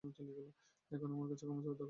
এখন আমার কাছে ক্ষমা চাওয়ার দরকার নেই।